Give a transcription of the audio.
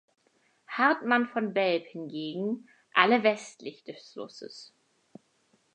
Hartmann von Belp hingegen alle westlich des Flusses.